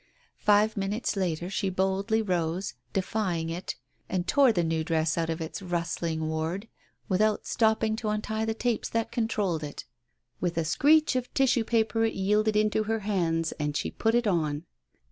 Five minutes later she boldly rose, defying it, and , tore the new dress out of its rustling ward without stop ping to untie the tapes that controlled it. With a screech of tissue paper it yielded itself into her hands, and she put it on.